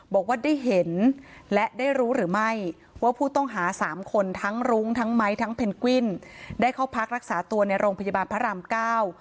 บอกว่าได้เห็นและได้รู้หรือไม่ว่าผู้ต้องหาสามคนทั้งรุ้งทั้งไม้ทั้งเพนกวินได้เข้าพักรักษาตัวในโรงพยาบาลพระรามเก้า